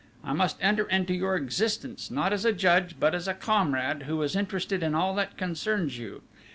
I must enter into your existence, not as a judge, but as a comrade who is interested in all that concerns you.